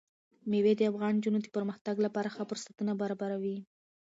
مېوې د افغان نجونو د پرمختګ لپاره ښه فرصتونه برابروي.